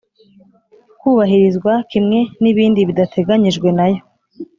kubahirizwa kimwe n ibindi bidateganyijwe nayo